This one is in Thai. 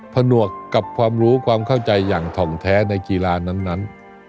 ผนวกกับความรู้ความเข้าใจอย่างถ่องแท้ในกีฬานั้น